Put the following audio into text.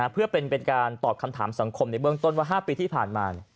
เพื่อเป็นการตอบคำถามสังคมในเบื้องต้นว่า๕ปีที่ผ่านมา